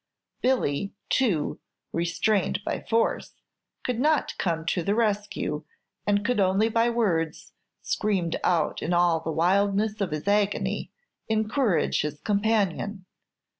Billy, too, restrained by force, could not come to the rescue, and could only by words, screamed out in all the wildness of his agony, encourage his companion.